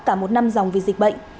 cả một năm dòng vì dịch bệnh